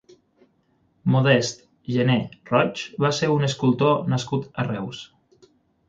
Modest Gené Roig va ser un escultor nascut a Reus.